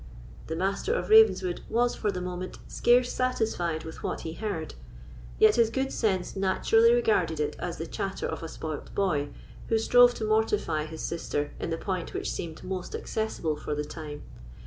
The Master of Ravenswood was, for the moment, scarce satisfied with what he heard; yet his good sense naturally regarded it as the chatter of a spoilt boy, who strove to mortify his sister in the point which seemed most accessible for the time.